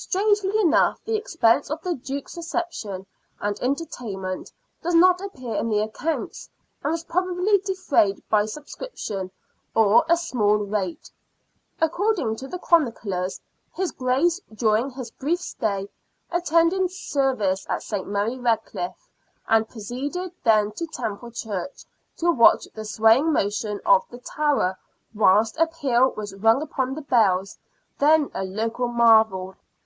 Strangely enough, the expense of the Duke's reception and entertainment does not appear in the accounts, and was probably defrayed by subscription or a small rate. According to the chroniclers, his Grace, during his brief stay, attended service at St. Mary Redcliff, and proceeded then to Temple Church to watch the swaying motion of the tower whilst a peal was rung upon the bells, then a local marvel.